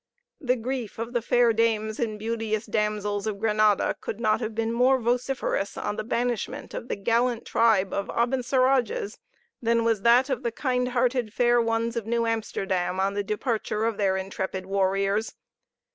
The grief of the fair dames and beauteous damsels of Grenada could not have been more vociferous on the banishment of the gallant tribe of Abencerrages than was that of the kind hearted fair ones of New Amsterdam on the departure of their intrepid warriors.